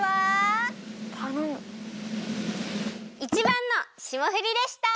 １ばんのしもふりでした！